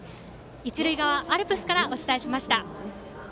一塁側アルプスからお伝えしました。